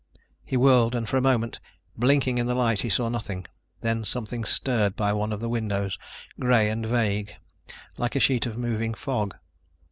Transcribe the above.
He whirled and for a moment, blinking in the light, he saw nothing. Then something stirred by one of the windows, gray and vague, like a sheet of moving fog.